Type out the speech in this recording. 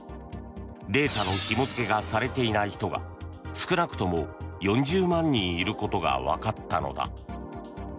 データのひも付けがされていない人が少なくとも４０万人いることがわかったのだ。